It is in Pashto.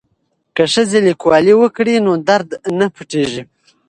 که ښځې لیکوالي وکړي نو درد نه پټیږي.